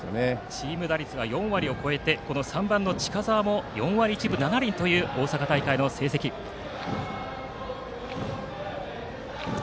チーム打率は４割を超えて３番の近澤も４割１分７厘という大阪大会の成績です。